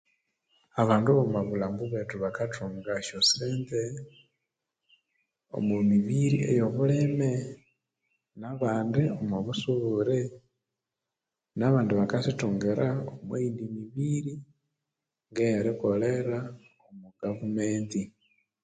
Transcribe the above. Abandu bwo'mobulhambu bwethu bakathunga esyosente omomibiri eyobulime nabandi omobusubure nabandi bakasithungira omoyindi mibiri ngeye rikolera egavumenti